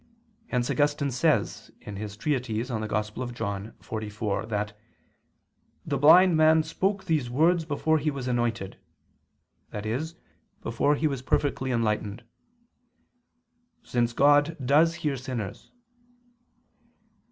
Hence Augustine says (Tract. xliv in Joan.) that "the blind man spoke these words before he was anointed," that is, before he was perfectly enlightened; "since God does hear sinners."